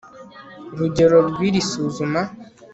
rugero rw iri suzuma